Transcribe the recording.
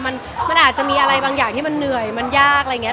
มันอาจจะมีอะไรบางอย่างที่มันเหนื่อยมันยากอะไรอย่างนี้